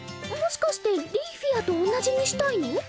もしかしてリーフィアと同じにしたいの？